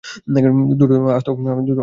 দুটো আস্ত কৈ মাছ দিয়েছি।